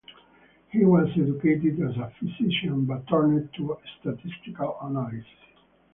He was educated as a physician but turned to statistical analysis.